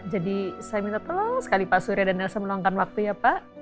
jadi saya minta tolong sekali pak surya dan elsa meluangkan waktu ya pak